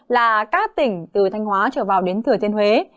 là các tỉnh từ thanh hóa trở vào đến thừa thiên huế